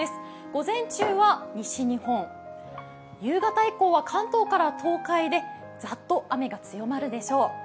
午前中は西日本、夕方以降は関東から東海でざっと雨が強まるでしょう。